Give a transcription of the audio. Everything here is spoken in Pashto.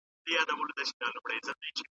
کورنۍ باید فشار زیات نه کړي.